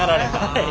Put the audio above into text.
はい。